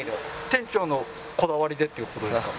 店長のこだわりでっていう事ですか？